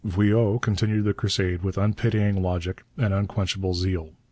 Veuillot continued the crusade with unpitying logic and unquenchable zeal.